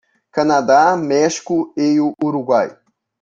Canadá, México e Uruguai.